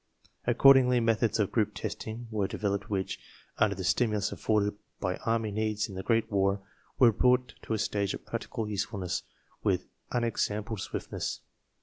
Accord ingly, meth ods of group testing w ere developed which, undertKel!mulus affonkdb^ aray needs in the Great War, were brought to a stage^of practical useful ness with unexampled swiftness.